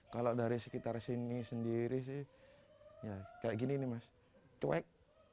kalau dari sekitar sini sendiri sih ya kayak gini nih mas cuek